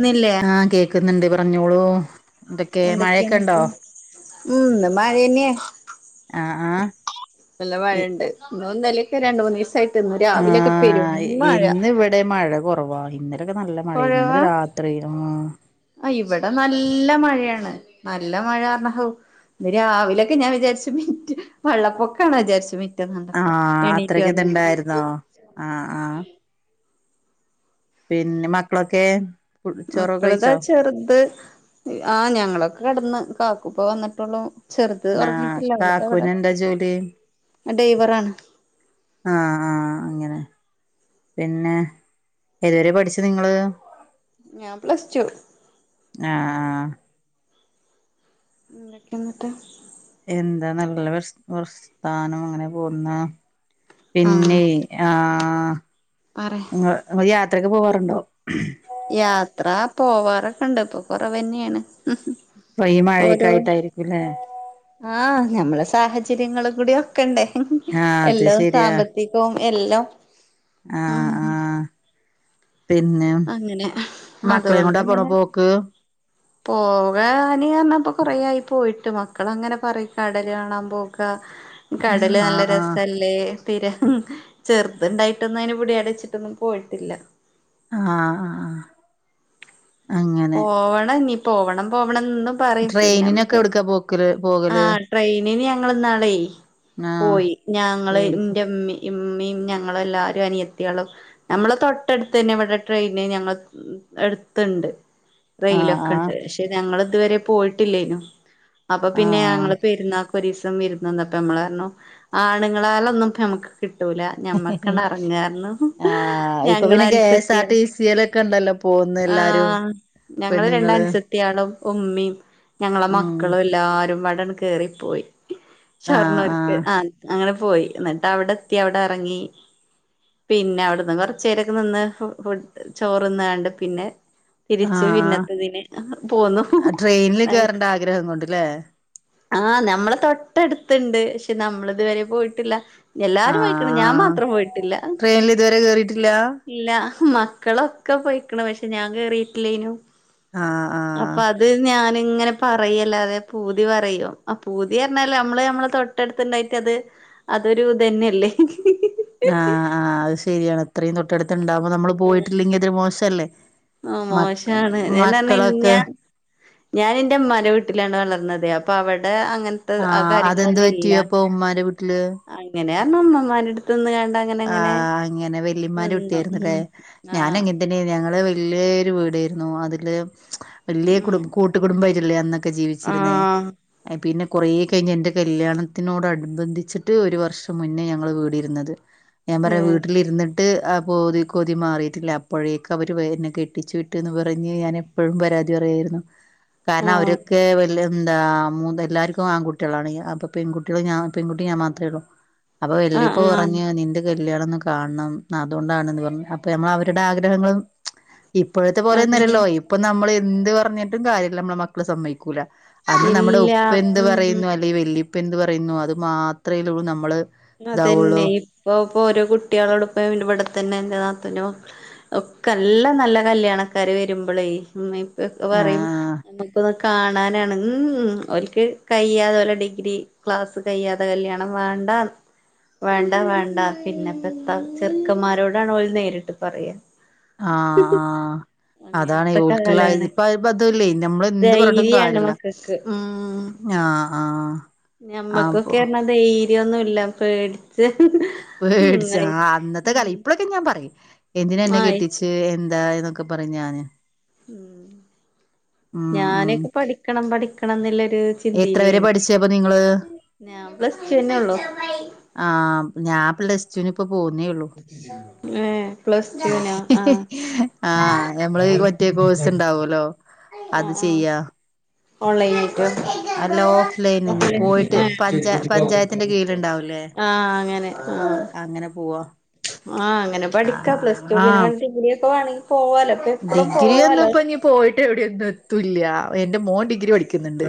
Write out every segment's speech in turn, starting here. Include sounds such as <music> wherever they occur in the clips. ന്നില്ലേ ആഹ് കേക്കുന്നുണ്ട് പറഞ്ഞോളൂ എന്ത ക്കെ മഴയൊക്കെ ഉണ്ടോ എന്തൊക്കെയാന്നിട്ട് ഉം ഇന്ന് മയന്നെ ആഹ് ആഹ് നല്ല മഴ ഇ ഇണ്ട് ഇന്നും ഇന്നലിക്കെ രണ്ട് മൂന്ന് ദിവസായിട്ട് ഇന്നു രാവിലൊക്കെ പെരും ആഹ് മഴ ഇന്ന് ഇവിടെ മഴ കുറവാ ഇന്നലൊക്കെ നല്ല കൊഴവാ മഴയേന്നു രാത്രി ആഹ് ആ ഇവിടെ നല്ല മഴയാണ് നല്ല മഴ പറഞ്ഞഹോ ഇന്ന് രാവിലെ ഒക്കെ ഞാൻ വിചാരിച്ചു മിറ്റ് വള്ളപ്പൊക്കാണോ വിചാരിച്ചു കണ്ടപ്പോ ആഹ് എണീറ്റ് അത്രക്ക വന്നപ്പോ ഇത്ണ്ടായിരുന്നോ ആഹ് ആഹ് പിന്നെ മക്കളൊക്കെ ചോറൊക്കെ മക്കള ഇതാ കഴിച്ചോ ചെറുത് ആഹ് ഞങ്ങളൊക്കെ കടന്ന് കാക്കുപ്പൊ വന്ന്ട്ടൊള്ളൂ ചെറുത് ആഹ് ഒറങ്ങീട്ടില്ല അവള് ഇതാവിടെ കാക്കൂന് എന്താ ജോലി ഡൈവറാണ് ആഹ് ആഹ് അങ്ങനെ പിന്നെ ഏതുവരെ പഠിച്ചു നിങ്ങള് ഞാൻ പ്ലസ് ടു ആഹ് എന്തൊക്കെ എന്നിട്ട് എന്താ നല്ല വർസ വർസ്ത്താനം അങ്ങനെ പോകുന്ന ആഹ് പിന്നെയ് ആ പറ ഇങ്ങ ഇങ്ങള് യാത്രയൊക്കെ പോകാറുണ്ടോ യാത്ര പോവാറൊക്കെ ഇണ്ട് ഇപ്പൊ കൊറവന്നേണ് ഉം ഇപ്പൊ ഈ മഴയൊക്കെ ഓരോ ആയിട്ടായിരിക്കുംല്ലേ ആ ഞമ്മളെ സാഹചര്യങ്ങള് കൂടി ഒക്ക ആഹ് അത് എല്ലാം ശരിയാ സാമ്പത്തികവും എല്ലാം ആഹ് ഉം ആഹ് പിന്നെ അങ്ങനെ മക്കളെയും അതുകൊണ്ട് കൊണ്ടാ പോണ ഇങ്ങനെ പോക്ക് പോകാന് അറഞ്ഞ ഇപ്പൊ കൊറേ ആയി പോയിട്ട് മക്കൾ അങ്ങനെ പറയും കടല് കാണാൻ പോകാ ആഹ് കടല് നല്ല ആഹ് രസല്ലേ തീരം ചെറുതുണ്ടായിട്ടൊന്നും അയിന് ഇവിടെ അവിടെ വെച്ചിട്ടൊന്നും പോയിട്ടില്ല ആഹ് അങ്ങനെ പോവണം ഞ്ഞി പോവണം പോവണം എന്നും ട്രെയിനിനൊക്കെ എവിടുക്കാ പോക്കല് ആ പോകല് ട്രെയിനിന് ഞങ്ങൾ ഇന്നാള് ആഹ് പോയി ഞങ്ങള് എവിടക്ക് എൻ്റെ ഇമ്മിം ഇമ്മിം ഞങ്ങള് എല്ലാരും അനിയത്തിയേകളും നമ്മളെ തൊട്ടടുത്ത് തന്നെ ഇവിടെ ട്രെയിന് ഞങ്ങള് എട്ത്ത്ണ്ട് ആഹ് റെയിലൊക്കെ ആഹ് ഉണ്ട് ക്ഷെ ഞങ്ങൾ ഇതുവരെ പോയിട്ടില്ലെ യ് ന്നു അപ്പൊ പിന്നെ ഞങ്ങള് ആഹ് പെരുന്ന ഒരിസംവിര് നന്ന് ട്ട് നമ്മളറിഞ്ഞു ആണുങ്ങളാലൊന്നും ഒന്നുംപ്പ <unintelligible> കിട്ടൂല ഞമ്മക്കണ്ട റ്ങ്ങാർ ഞ്ഞു ആഹ് ഇപ്പൊ പിന്നെ ഞങ്ങളെ അ കെ ൻ എസ് ആർ സത്തിയാ ടി സിയിലൊക്കെ ഉണ്ടല്ലോ പോകുന്ന ആ എല്ലാരും ഞങ്ങള് രണ്ട പെണ്ണുങ്ങള് കുട്ടേളും ഉമ്മീം ഞങ്ങളെ ഉം മക്കളും എല്ലാരും മ്പാടെങ്ങ ണ്ട് കേറിപ്പോയി ആഹ് ഷൊർണ്ണൂർക്ക് ആഹ് ആ അങ്ങനെ പോയി എന്നിട്ട് അവിടെ എത്തി അവിടെ എറങ്ങി പിന്നെ അവിടെന്ന് കൊറച്ചോ രൊക്കെ നിന്ന് ഫുഡ് ചോറ്ന്ന്ങ്ങാണ്ട് പിന്നെ തിരിച്ച് ആഹ് പിന്നത്തതിന് പോന്നു താ വിഗ്രഹം കൊണ്ട്ല്ലേ ആ നമ്മൾ തൊട്ടടുത്തുണ്ട് ക്ഷെ നമ്മള ഇതുവരെ പോയിട്ടില്ല എല്ലാരും പോയിക്ക് ണ് ഞാൻ ആഹ് മാത്രം പോയിട്ടില്ല ട്രെയിനിൽ ഇതുവരെ കേറിയിട്ടില്ല ഇല്ല മക്കളൊക്കെ പോയിക്കണ് പക്ഷെ ഞാൻ കേറിട്ടില്ലേയ് നു ആ ആ അപ്പൊ അത് ഞാനി ഇങ്ങനെ പറയല്ലാ പൂതി പറയും ആ പൂതി പറഞ്ഞല് നമ്മള് നമ്മള് തൊട്ടടുത്ത്ണ്ടായിട്ട് അത് അതൊരു ഇതന്നെല്ലേ ആ ആ അത് ശരിയാണ് ഇത്രേം തൊട്ടടുത്ത്ണ്ടാവുമ്പോ നമ്മള് പോയിട്ടില്ലെങ്കി അതൊരു മോശല്ലേ ആ മക് മോശാണ് മക്കളൊക്കെ ഞാനിന്റെ ഇമ്മാന്റെ വീട്ടിലാണ് വളർന്നത് അപ്പൊ അവിടെ അങ്ങനെ ആ അതെന്ത് പറ്റി അപ്പൊ ഉമ്മാന്റെ വീട്ടില് അങ്ങനെയർഞ്ഞ ഉമ്മമാന്റെട്ത്ത് ന്ന്ങ്ങാണ്ട് അ ആ അങ്ങനെ വല്യമ്മാന്റെ കുട്ടിയാര്ന്നു ലേ ഉം ആഹ് ഞാനങ്ങനെ ഞങ്ങള് വെല്യേരു വീടേര്ന്നു അതില് വെല്യേ ഉം കുട് കൂട്ട് കുടുംബായ്റ്റില്ലേ അന്നൊക്കെ ഒക്കെ ജീവിച്ചിരുന്നേ ആഹ് ഏ പിന്നെ കൊറേ കഴിഞ്ഞ് എൻ്റെ കല്യാണത്തിനോടണുബന്ധിച്ചിട്ട് ഒരു വർഷം മുന്നേ ഞങ്ങൾ വീടിരുന്നത് ഞാൻ പറയാ ഏഹ് വീട്ട്ലിര്ന്നിട്ട് ആ പോതി കൊ കൊതി മാറിയിട്ടില്ല അപ്പോഴേക് അവര് എന്നെ കെട്ടിച്ചു വിട്ട്ന്ന് പറഞ്ഞ് ഞാൻ എപ്പഴും പരാതി പറയായിരുന്നു കാരണം ആഹ് അവരൊക്കെ വല്യ ന്താ മൂതൽ എല്ലാര്ക്കും ആൺകുട്ടിയാളാണയ് അപ്പ പെൺകുട്ടികള് ഞാ പെൺകുട്ടി ഞാൻ മാത്രേ ഉള്ളൂ അപ്പൊ വല്ലിപ്പ ആഹ് ആഹ് പറഞ് നിന്റെക് കല്യാണംന്ന് കാൺണം അതോണ്ടാണന്ന് പറഞ്ഞു അപ്പൊ നമ്മള് അവരുടെ ആഗ്രഹങ്ങളും ഇപ്പോഴത്തെ അതന്നെ പോലെന്നല്ലല്ലോ ഇപ്പൊ നമ്മള് എന്ത് പറഞ്ഞിട്ടും കാര്യല്ല മ്മളെ മക്കള് സമ്മയിക്കൂല അന്ന് നമ്മുടെ ഇല്ല ഉപ്പ എന്ത് ഉം പറയുന്നു അല്ലെങ്കി വല്ലിപ്പ എന്ത് പറയുന്നു അത് മാത്രയല്ലെള്ളൂ നമ്മള് ഉം ഇതാവുള്ളൂ അതന്നെ ഇപ്പൊ ഇപ്പൊ ഓരോ കുട്ടികളോട്പ്പ ഇന്റെ ഇവിടെത്തന്നെ എന്റെ നാത്തൂന്റെ മക്കള് ഒക്കെ നല്ല നല്ല കല്യാണക്കാര് വരുമ്പളേയ് ഉമ്മി ഇപ്പക്കൊ പറയും ആഹ് നമ്മുക്ക് കാണാനാണ് ഉം ഉം ഓൽക്ക് കയ്യാതെ ഓലെ ഡിഗ്രി ക്ലാസ് കയ്യാതെ കല്ല്യാണം വേണ്ടാന്ന് വേണ്ട വേണ്ട പിന്നെപ്പത്താ ചെറുക്കന്മാരോടാണ് ഓല് നേരിട്ട് പറയ ആഹ് ആഹ് അതാണയ് അങ്ങനത്തെ ഓൽക്ക് ള്ളായി കാലാണ് ഇപ്പ ഇപ്പഅതുല്ലേയ് നമ്മള് എന്ത് പറഞ്ഞിട്ടും ധൈര്യാണ് കാര്യല്ല മക്കൾക്ക് ഞ്ഞാ ആഹ് ആഹ് അപ്പൊ ഞമ്മക്കൊക്കെർഞ്ഞ ദെയ്ര്യോന്നില്ല പേട്ച്ച് പേട്ച്ച് ആ അന്നത്തെ കലയ് ഇപ്പള് ഇപ്പ ഞാൻ പറയും എന്തിനാ ഇന്നെ ആയി കെട്ടിച്ച് എന്തായി ന്നൊക്കെ പറിം ഞാന് ഉം ഉം ഉം ഞാനക്കെ പഠിക്കണം പഠിക്കണംന്ന്ല്ലൊര് എത്ര വരെ ചിന്തീലേയ്നു പഠിച്ചേ അപ്പൊ നിങ്ങള് ഞാൻ പ്ലസ് റ്റു ന്നെള്ളൂ ആ ഞാൻ പ്ലെസ്റ്റുന് ഇപ്പ പോവുന്നേ ഉള്ളൂ ഏ പ്ലസ് ടുവിനോ ആ ആ നമ്മളെ ഈ മറ്റേ കോഴ്സ്ണ്ടാവുല്ലോ ആ അത് ആ ചെയ്യാ ഓൺലൈൻ ആയിറ്റോ അല്ല ഓഫ് ലൈനന്നെ പോയിട്ട് പഞ്ച പഞ്ചായത്തിന്റെ കീഴ്ല്ണ്ടാവ് ലേ ആ അങ്ങനെ ആ അങ്ങനെ പോവാ ആ അങ്ങനെ ആ പഠിക്കാ പ്ലസ് ടു പിന്നെ ആഹ് ഡിഗ്രി ഒക്കെ വേണങ്കി പോവാലോ ഇപ്പൊ എപ്പളും ഡിഗ്രി ഒന്നും പോവാലോ ഇപ്പ നീ പോയിട്ട് എവിടെയൊന്നും എത്തൂല്ല എന്റെ മോൻ ഡിഗ് ഡിഗ്രി പഠിക്കുന്നുണ്ട്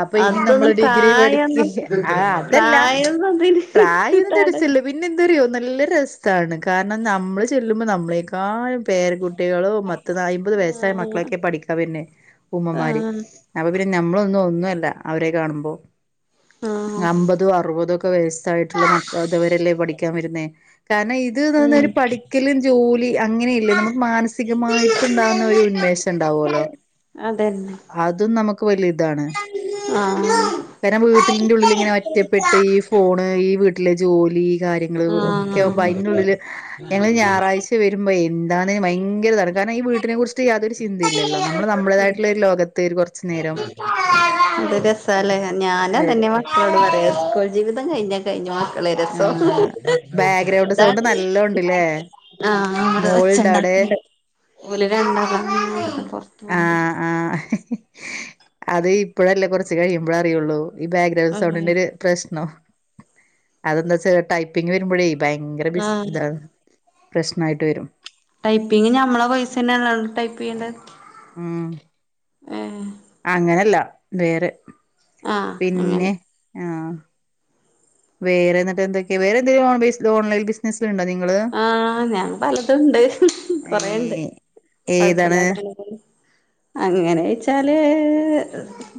അപ്പ ഇനി നമ്മള് അതൊന്നും ഡിഗ്രി പ്രായൊന്നും പഠിക്കില്ല്യേ ആ അതല്ല പ്രായൊന്നും അതിന് പ്രായൊന്നും തട തികച്ചില്ല പിന്നെന്താറിയോ നല്ല രസാണ് കാരണം നമ്മള് ചെല്ലുമ്പോ നമ്മളേക്കാഴും പേരകുട് ക്കളും മത്ത് അയ്മ്പത് വയസ്സായ ആ മക്കളൊക്കെ പഠിക്കാൻ വര്നെ ആ ഉമ്മമാര് അപ്പൊ പിന്നെ നമ്മളൊന്നും ഒന്നുംല്ല അവരെക്കെ കാണുമ്പോ ആ അമ്പതു അറുപതൊ ക് പ്പൊ വെയ്സ്സായിട്ട്ള്ള മക്കൾത് വ രെല്ലേ പഠിക്കാൻ വരുന്നേ കാരണം ഇത് ന്ന് ന്നർഞ്ഞ ആ ഒരു പഠിക്കല് ജോലി അങ്ങനെ ഇല്ല നമുക്ക് മാൻസ് സ്ഥിരമായിട്ടുണ്ടാകുന്ന ഒരു ഉന്മേഷം ണ്ടാവല്ലോ അതന്നെ അത് നമു ക്ക് വലിയ ഇതാണ്. ആഹ് കാരണം വീട്ടിലിറെ ഉള്ളിൽ ആഹ് ഇങ്ങനെ ഒറ്റപ്പെട്ട് ഈ ഫോണ് ഈ വീട്ടിലെ ജോലി കാര്യം ഒക്കെവുമ്പോ അയ്ന്റുള്ളില് ഞങ്ങൾ ഞായറാഴ് വരുമ്പോ എന്താ ഭയങ്കരതാണ് കാരണംഈ വീട്ടിനെ കുറിച്ച്ട്ട് യാതൊരു ചിന്തയില്ലല്ലോ നമ്മള് നമ്മളതായിട്ടുള്ള ഒരു ലോകത്ത് ഒരു കുറച്ചു നേരം ന്ത്‌ രസാലേ ഞാനതന്നെ മക്കളോട് പറയാ സ്കോൾ ജീവിതം കഴിഞ്ഞാ കഴിഞ്ഞു മക്കളെ രസം ബാക്ക്ഗ്രൗണ്ട് താ സൗണ്ട് നല്ല ഉണ്ടല്ലേ ആ അവ്ടെ ഒച്ച മോളുണ്ട് അവിടെ ണ്ടാക്ക്ണ്ട് ഓല് രണ്ടതാ ങ്ങനെ പൊർത്ത് മണ്ടിരു ആ അത് ഇപ്പഴല്ല കുറച്ച് കഴിയുമ്പള അറിയുള്ളൂ. ഈ ബാക്ക്ഗ്രൗണ്ട് ആഹ് സൗണ്ടിന്റെ ഒരു പ്രശ്നം അതെന്താ വച്ചാ ടൈപ്പിങ് വരുമ്പോഴേ ഭയങ്കര ആഹ് ബിസ്‌ദ്ര പ്രശ്നായിട്ട് വരും. ടൈപ്പിംഗ നമ്മളെ പൈസ തന്നെ ഉ ടൈപ്പ് ചെയ്യേണ്ടത് ഉം അങ്ങനല്ല വേറെ ആഹ് പിന്നെ അങ്ങനെ ആ വേറെ ന്നിട്ട് എന്തൊക്കെ വേറെന്തെലും ഓൺ ബേസ് ഓൺലൈൻ ബിസ് ആ ഞാൻ പലതുംണ്ട് കൊറെണ്ട് ഏഹ് ഏതാണ് കുഴപ്പല്ലാതങ്ങനെ പോണു അങ്ങനെ വെച്ചാല്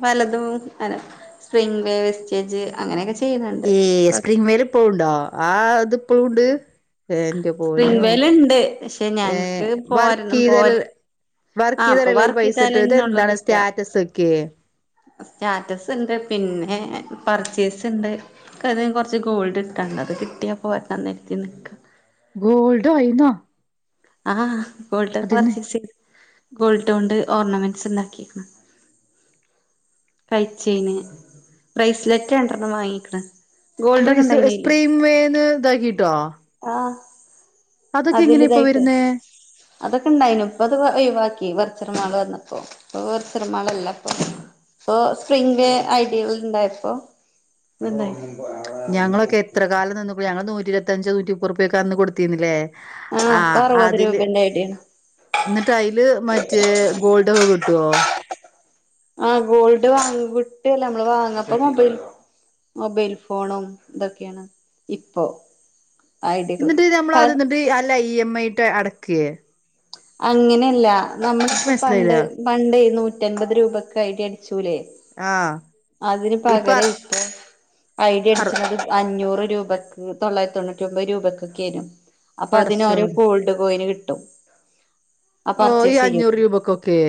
പലതും അന സ്പിങ് വേ വെസ്റ്റേജ് അങ്ങനെയൊക്കെ ചെയ്യുന്നുണ്ട് ഏ സ്പ്രിങ് കൊഴപ്പല്ല വേല് പ്പ്ളുണ്ടോ ആ ത്പ്പ്ളുണ്ട് ഏ ന്റെ സ്പ്രിംഗ് പോനു വേല്ണ്ട് പക്ഷെ ഏ ഞങ്ങക്ക് വർക്കെയ്താലല്ലേ ആ പ്പൊ വർക്കിട്ടാലന്നൊള്ളൂ കിട്ട സ്റ്റാറ്റസ് വെക്കേ സ്റ്റാറ്റസ്ണ്ട് പിന്നെ പർച്ചേസ്ണ്ട് ക്ക് ഏതേലും കൊർച്ച് ഗോൾഡ്ട്ടാണ്ട് അത് കിട്ടിയാ പ്പൊ ഒര്ക്കാതെര്ക്ക്ന്ന്ക്ക ഗോൾഡോ അയ്നോ? ആ ഗോൾഡൊക്കെ പർച്ചേസെയ്ത് ഗോൾഡോണ്ട് ഓർണമെന്റ്സ് ണ്ടാക്കീകുണു കൈചെയ്ന് ബ്രയിസ്‌ലെറ്റ് രൻഡ്രെണ്ണം വാങ്ങിക്ക്ണ് ഗോൾഡ് ഒക്കെ ബ്രീസ് ഇണ്ടായിന് സ്പ്രിഗ് വേന്ന് താക്കിട്ടോ ആ അതില് ഇപ്പൊ തായിട്ട് വരുന്നേ അതൊക്കെ ണ്ടായിനു പ്പത് ഒഴിവാക്കി വർച്ചിറ മാള് വന്നപ്പോ പ്പൊ വർച്ചിറമാളല്ലപ്പൊ പ്പൊ സ്പ്രിംഗ് വേ ഐഡികൾ ണ്ടായപ്പോ ത്ണ്ടായി ഞങ്ങളൊക്കെ എത്ര കാലം നിന്നള ഞങ്ങളൊക്കെ എത്ര കാലം നിന്നക്കുണു ഞങ്ങൾ നൂറ്റി ഇരുവത്തഞ്ച് നൂറ്റി മുപ്പുർപ്യക്കെ അന്ന് കൊടുത്തിന്നില്ലേ ആഹ് ആ ഇപ്പൊ അറുപത് അതില് രൂപന്റെ ഐഡിയാണ് ന്നിട്ട് അയ്ല് മറ്റേ ഗോൾഡ്ക്കെ കിട്ടോ ആ ഗോൾഡ് വാങ്ങ ക് ട്ടല്ല മ്മള് വാങ്ങ പ്പ മൊബൈൽ മൊബൈൽ ഫോണും തൊക്കെണ് ഇപ്പോ ഐഡിയകള് എന്നിട്ട് നമ്മൾ പ അത് ന്നിട്ട് അല്ല ഇ എം ഐട്ട് അടക്കേ അങ്ങനെയല്ല എനിക്ക് നമ്മളിപ്പോ പണ്ട് മനസ്സിലായില്ല പണ്ടേയ് നൂറ്റമ്പത് രൂപക്ക്‌ ഐഡി അടിച്ചൂലേ ആഹ് അതിന് ഇപ്പൊ അർ പകരായിറ്റ് ഐഡി അർ അടിച്ച്ണത് അഞ്ഞൂറ് രൂപക്ക് തൊള്ളായിരത്തി തൊണ്ണൂറ്റിയൊമ്പത് രൂപയ്ക്കൊക്കേയ്നു അപ്പൊ അതിനോരോ പടച്ചോൻ ഗോൾഡ് കോയിന് കിട്ടും. ആ ഓ ഈ പർച്ചേസ് ചെയ്യുബോ അഞ്ഞൂറ് രൂപക്കൊക്കെ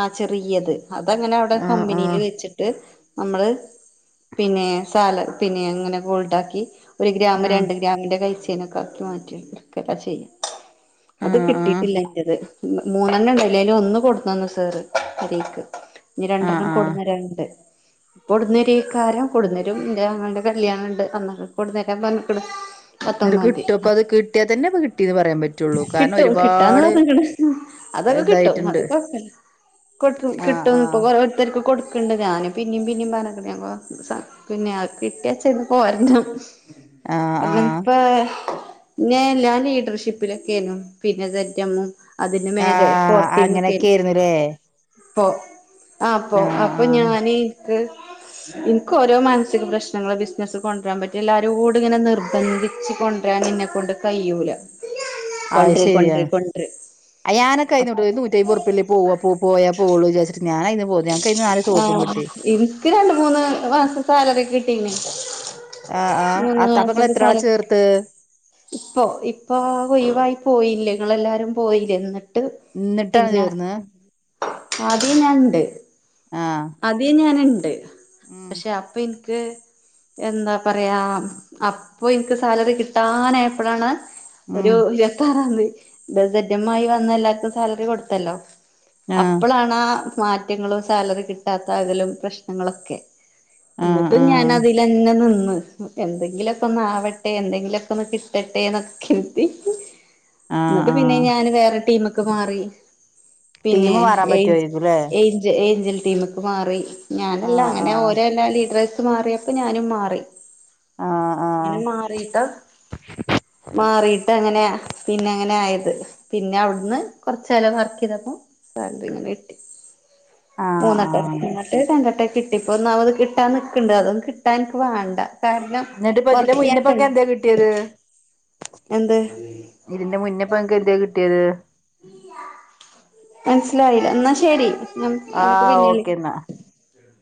ആഹ് ചെറിയത് അതങ്ങനെ അവ്ടെ ആഹ് കമ്പിനീൽ ആഹ് വെച്ചിട്ട് നമ്മള് പിന്നെ സാല പിന്നെ ഇങ്ങനെ ഗോൾഡാക്കി ഒരു ഗ്രാം ആഹ് രണ്ട് മിന്റെ കൈചെയ്നൊക്കെ ആക്കി മാറ്റിയെടുക്ക ഒക്കെ ചെയ്യും അത് ആഹ് ആഹ് കിട്ടീട്ടില്ല ഇന്റത് മൂന്നെണ്ണണ്ടല്ലോ അയില് ഒന്ന് കൊടുന്നന്നു സാറ് പെരേക്ക് ഇനി ആഹ് രണ്ടെർണ്ണം ആഹ് കൊടുന്നെരാന്ണ്ട് കൊടുന്നേരയ്ക്കാരം കൊടുന്നെരും ഇന്റെ ആങ്ങളെന്റെ കല്യാണംണ്ട് അന്നക്കെ കൊടുന്നേരാൻ പറഞ്ക്ക്‌ണ് എന്നിട്ട് പത്തൊമ്പാന്തി കിട്ടും അപ്പൊ ആഹ് അത് കിട്ടിയാൽ തന്നെ ഇപ്പൊ കിട്ടീന്ന് പറയാൻ പറ്റുള്ളൂ കാരണം കിട്ടും കിട്ടാന്ന് ഒരുപാട് പറഞ്ഞിക്ക്‌ണ് അതൊക്കെ കിട്ടും അത് ഇതായിട്ടുണ്ട് കൊഴപ്പല്ല കൊടുക്കു ആഹ് കിട്ടുംന്ന് ഇപ്പൊ ആഹ് കൊറെ ഓരോത്തർക്ക്‌ കൊട് ക്ക്‌ണ്ട് ഞാനി പിന്നിം പിന്നിം പറഞ്ഞക്കണ് ഞങ്ങള് കൊ സ പിന്നെ കിട്ടിയാച്ച അയിന്ന് പോരണം ആഹ് ആഹ് ഇപ്പ ഞാൻ എല്ലാ ലീഡർഷിപ്പിലൊക്കെന്നു പിന്നെ സെഡ് എം ഉം അതിന്റെ മേലെ ആഹ് <unintelligible> അങ്ങനെയൊക്കെയായിരുന്നുല്ലേ പോ ആ ഇപ്പൊ ആഹ് അപ്പൊ ആഹ് ഞാന് ഇക്ക് ഇൻക്ക് ഓരോ മാനസിക പ്രശ്നങ്ങൾ ബിസിനസ് കൊണ്ട്രാൻ പറ്റ എല്ലാരും കൂടെ ഇങ്ങനെ നിർബന്ധിച്ച് കൊ രാൻ ഇന്നെ കൊണ്ട് കയ്യൂല ആയ് ശരിയ ഞാനൊക്കെ അയിന്നൊയിവായി ഒരു നൂറ്റയ്മ്പതുർപ്യല്ലേ പോവപ്പൊ പോയാ പോവൊള്ളു വിചാരിട്ട് ഞാനയിന്ന് പോന്ന് ഞങ്ങ്ക്കയിന്ന് നാലു സോപ്പും കിട്ടി ഇക്ക് രണ്ട് മൂന്ന് മാസം സാലറി ഒക്കെ കിട്ടിണ് ആഹ് ആഹ് മൂന്നു അത്ത അപ്പൊ ഇങ്ങള് മാസത്തെക്കെ എത്ര ആളെ സാലറി ചേർത്ത് ഇപ്പോ ആ ഒയിവായി പോയില്ലേ ഇങ്ങെളെല്ലാരും പോയില്ലേ ഇന്ന ട്ട് ഇന്നിട്ടാണ് പിന്ന ചേർന്ന് ആദ്യേ ഞാന്ണ്ട് ആഹ് ആദ്യേ ഞാന്ണ്ട് ഉം പക്ഷെ അപ്പ ഇന്ക് എന്താ പറയാ അപ്പൊ ഇൻക്ക് സാലറി കിട്ടാനായപ്പഴാണ് ഉം ഒരു ഇരുപത്താറാന്തി സെഡ് എം ആയി വന്ന എല്ലാർക്കും സാലറി കൊടുത്തല്ലോ ആഹ് അപ്പളാണാ മാറ്റങ്ങളും സാലറി കിട്ടാതാകലും പ്രശ്നങ്ങളൊക്കെ ആഹ് ഇന്നിട്ടും ഞാൻ ആഹ് അതിലെന്നെ നിന്ന് എന്തെങ്കിലൊക്കൊന്ന് ആവട്ടെ എന്തെങ്കിലൊക്കൊന്ന് കിട്ടട്ടേന്നൊക്കെ കരുതി ആഹ് ഇന്നട്ട് പിന്നെ ആഹ് ഞാന് വേറെ ടീമ്ക്ക്‌ മാറി പിന്നെ ടീമ് മാറാൻ ഏ പറ്റുവായിരിക്കുംല്ലേ ഏഞ്ച ഏഞ്ചൽ ടീമിക്ക് മാറി ഞാനല്ല ആഹ് അങ്ങനെ ആഹ് ഓരോ എല്ലാ ലീഡേഴസ് മാറിയ പ്പൊ ഞാനും മാറി ആഹ് അങ്ങനെ ആഹ് മാറീട്ട് മാറീട്ടങ്ങനെ പിന്നങ്ങനായത് പിന്നെ അവിടുന്ന് കൊറചാലം വർക്കീതപ്പോ സാലറി ഇങ്ങനെ കിട്ടി ആഹ് മൂന്നട്ടം ആഹ് മറ്റേത് രണ്ടെട്ടം കിട്ടി ഇപ്പൊ ഒന്നാമത് കിട്ടാൻ നിക്ക്‌ണ്ട് അതൊന്ന് കിട്ടാൻ ഇന്ക്ക് വേണ്ട കാരണം എന്നിട്ടിപ്പ ഇതിന്റെ വർക്കിയാൻ കഴിയിണി മുന്നപ്പങ്ങക്കെന്തേ കിട്ടിയത് എന്ത് ഇതിന്റെ മുന്നെപ്പൊ ഇങ്ങക്ക് എന്തേ കിട്ടിയത് മനസിലായില്ല ഇന്നാ ശരി ഞമ്മക്ക് ആഹ് പിന്നെ വിളിക്ക ഓക്കേന്നാ